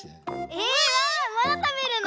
まだたべるの？